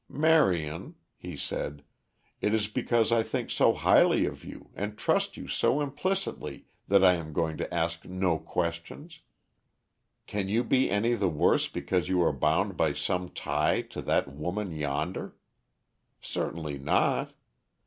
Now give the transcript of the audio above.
"Marion," he said, "it is because I think so highly of you and trust you so implicitly that I am going to ask no questions. Can you be any the worse because you are bound by some tie to that woman yonder? Certainly not.